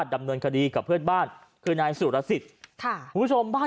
ดำเนินคดีกับเพื่อนบ้านคือนายสุรสิทธิ์ค่ะคุณผู้ชมบ้าน